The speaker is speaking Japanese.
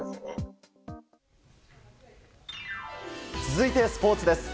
続いてはスポーツです。